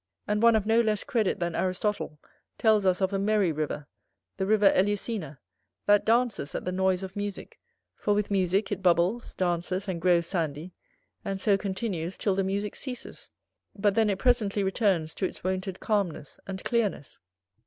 And one of no less credit than Aristotle, tells us of a merry river, the river Elusina, that dances at the noise of musick, for with musick it bubbles, dances, and grows sandy, and so continues till the musick ceases, but then it presently returns to its wonted calmness and clearness.